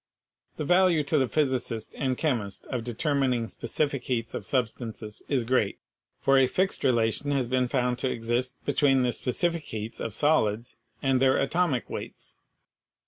The value to the physi cist and chemist of determining specific heats of substances is great, for a fixed relation has been found to exist be tween the specific heats of solids and their atomic weights.